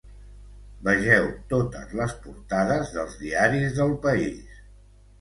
Vegeu totes les portades dels diaris del país.